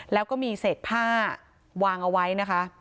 แล้วก็มีเศษผ้าวางเอาไว้นะคะ